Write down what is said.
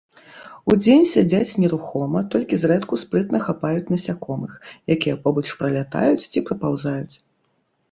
Удзень сядзяць нерухома, толькі зрэдку спрытна хапаюць насякомых, якія побач пралятаюць ці прапаўзаюць.